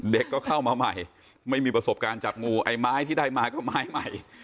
เด็กก็เข้ามาใหม่ไม่มีประสบการณ์จับงูไอ้ไม้ที่ได้มาก็ไม้ใหม่